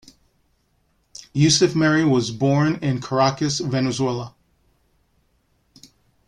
Yucef Merhi was born in Caracas, Venezuela.